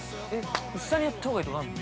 下にやったほうがいいとかあるの。